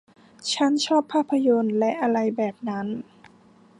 ฉันชอบภาพยนตร์และอะไรแบบนั้น